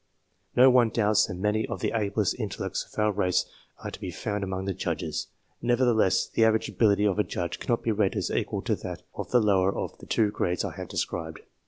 No one doubts that many of the ablest intellects of our race are to be found among the Judges ; nevertheless the average ability of a Judge cannot be rated as equal to that of the lower of the two grades I have described.